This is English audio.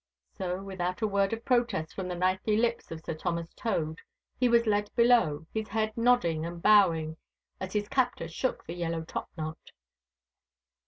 So without a word of protest from the knightly lips of Sir Thomas Tode, he was led below, his head nodding and bowing as his captor shook the yellow top knot.